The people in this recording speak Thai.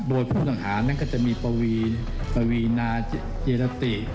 โดยผู้ต้องหานั้นก็จะมีปวีปวีนาจีรติ